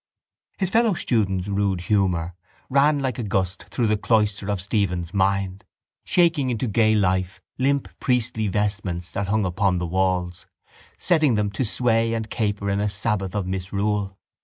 His fellow student's rude humour ran like a gust through the cloister of Stephen's mind, shaking into gay life limp priestly vestments that hung upon the walls, setting them to sway and caper in a sabbath of misrule.